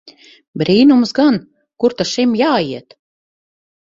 Brīnums gan! Kur ta šim jāiet!